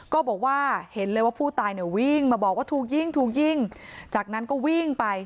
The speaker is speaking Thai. ก็บอกว่าเห็นเลยว่าผู้ตายเนี่ยวิ่งมาบอกว่าถูกยิงถูกยิงจากนั้นก็วิ่งไป